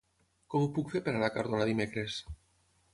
Com ho puc fer per anar a Cardona dimecres?